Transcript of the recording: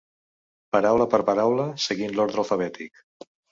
Paraula per paraula, seguint l'ordre alfabètic.